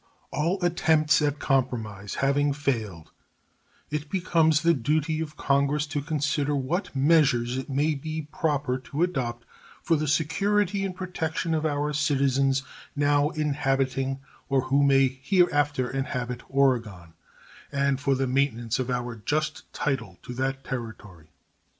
All attempts at compromise having failed, it becomes the duty of Congress to consider what measures it may be proper to adopt for the security and protection of our citizens now inhabiting or who may hereafter inhabit Oregon, and for the maintenance of our just title to that Territory.